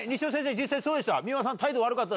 実際そうでした？